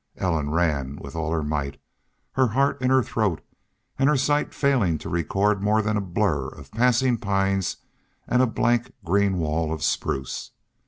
Ellen ran with all her might, her heart in her throat, her sight failing to record more than a blur of passing pines and a blank green wall of spruce.